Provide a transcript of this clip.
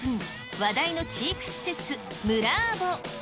話題の知育施設、ムラーボ！